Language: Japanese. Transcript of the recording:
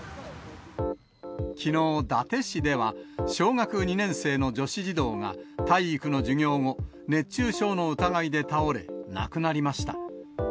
きのう、伊達市では、小学２年生の女子児童が、体育の授業後、熱中症の疑いで倒れ亡くなりました。